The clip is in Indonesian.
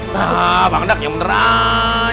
nah bangdaknya meneran